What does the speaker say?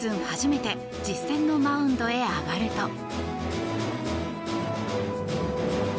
初めて実戦のマウンドへ上がると。